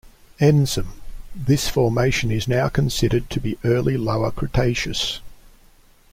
Ensom, this Formation is now considered to be early Lower Cretaceous.